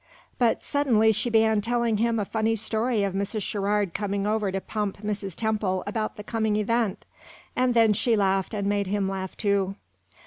But suddenly she began telling him a funny story of Mrs. Sherrard coming over to pump Mrs. Temple about the coming event, and then she laughed and made him laugh too.